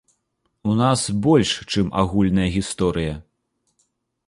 У нас больш, чым агульная гісторыя.